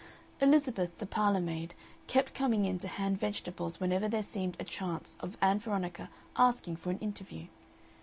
Elizabeth, the parlormaid, kept coming in to hand vegetables whenever there seemed a chance of Ann Veronica asking for an interview.